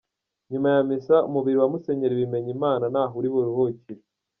Nyuma ya Misa, Umubiri wa Musenyeri Bimenyimana ni aha uri buruhukire.